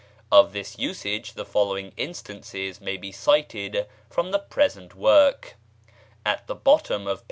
Of this usage the following instances may be cited from the present work: (At the bottom of p.